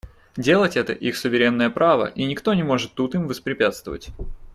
Делать это — их суверенное право, и никто не может тут им воспрепятствовать.